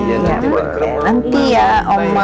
iya nanti main kerumah oma